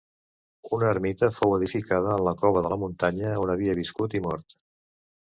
Una ermita fou edificada en la cova de la muntanya on havia viscut i mort.